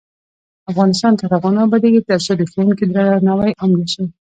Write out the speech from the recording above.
افغانستان تر هغو نه ابادیږي، ترڅو د ښوونکي درناوی عام نشي.